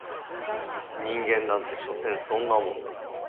人間なんて所詮そんなもんだ。